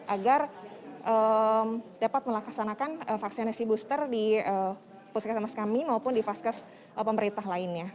agar dapat melaksanakan vaksinasi booster di puskesmas kami maupun di vaskes pemerintah lainnya